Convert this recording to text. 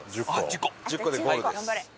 １０個でゴールです。